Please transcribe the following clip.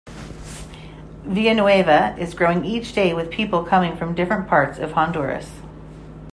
Villanueva is growing each day with people coming from different parts of Honduras.